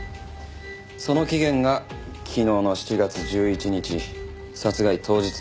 その期限が昨日の７月１１日殺害当日だ。